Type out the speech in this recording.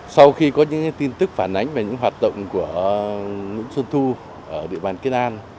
sau khi có những tin tức phản ánh về những hoạt động của nguyễn xuân thu ở địa bàn kiên an